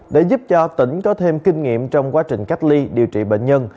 để giúp cho tỉnh có thêm kinh nghiệm trong quá trình cách ly điều trị bệnh nhân